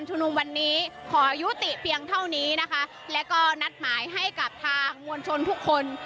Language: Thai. นุมวันนี้ขอยุติเพียงเท่านี้นะคะแล้วก็นัดหมายให้กับทางมวลชนทุกคน